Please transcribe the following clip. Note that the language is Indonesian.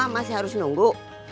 masih harus nunggu